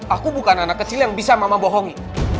aku bukan anak kecil yang bisa mama bohongi